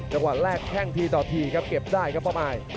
จากวันแรกแค่งทีต่อทีครับเก็บได้ครับป๊อปอาย